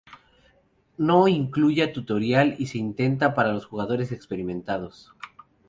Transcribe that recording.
No incluya tutorial y se intenta para los jugadores experimentados.